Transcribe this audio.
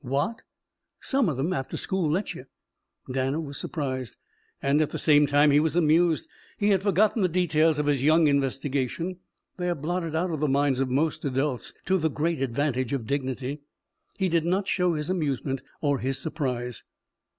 "What?" "Some of them after school let you." Danner was surprised, and at the same time he was amused. He had forgotten the details of his young investigation. They are blotted out of the minds of most adults to the great advantage of dignity. He did not show his amusement or his surprise.